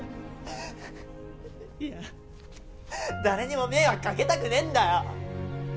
いや誰にも迷惑かけたくねえんだよ！